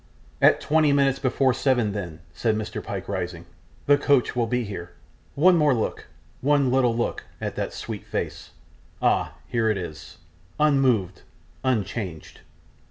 'At twenty minutes before seven, then,' said Mr. Pyke, rising, 'the coach will be here. One more look one little look at that sweet face. Ah! here it is. Unmoved, unchanged!